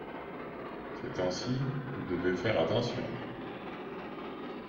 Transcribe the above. Ces temps-ci vous devez faire attention.